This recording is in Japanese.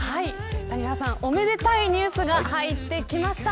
谷原さん、おめでたいニュースが入ってきました。